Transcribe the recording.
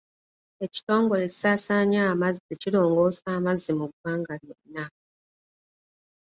Ekitongole ekisaasaanya amazzi kirongoosa amazzi mu ggwanga lyonna.